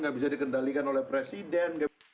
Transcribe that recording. nggak bisa dikendalikan oleh presiden